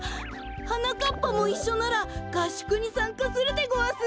はなかっぱもいっしょならがっしゅくにさんかするでごわす。